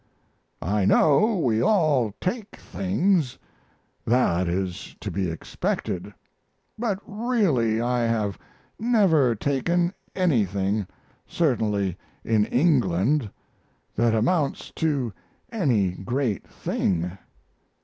I know we all take things that is to be expected; but really I have never taken anything, certainly in England, that amounts to any great thing.